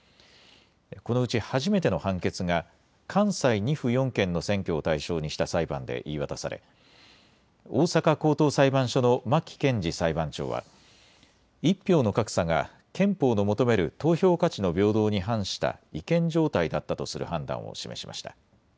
このうち初めての判決が関西２府４県の選挙を対象にした裁判で言い渡され大阪高等裁判所の牧賢二裁判長は１票の格差が憲法の求める投票価値の平等に反した違憲状態だったとする判断を示しました。